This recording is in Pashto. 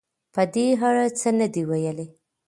په دې اړه څه نه دې ویلي